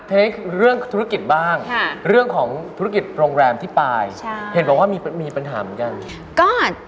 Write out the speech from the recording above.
เทคเรื่องธุรกิจบ้างเรื่องของธุรกิจโรงแรมที่ปลายเห็นบอกว่ามีปัญหาเหมือนกัน